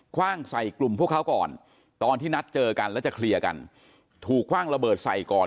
ว่างใส่กลุ่มพวกเขาก่อนตอนที่นัดเจอกันแล้วจะเคลียร์กันถูกคว่างระเบิดใส่ก่อน